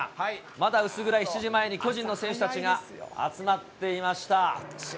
まだ薄暗い７時前に、巨人の選手たちが集まっていました。